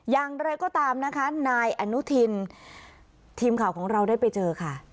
ยังเลยก็ตามนายอนุทินทีมข่าวของเราได้ไปเจอครับ